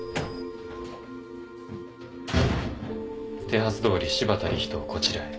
手はずどおり柴田理人をこちらへ。